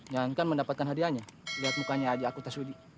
jangan mendapatkan hadiahnya lihat mukanya aja aku tak sudi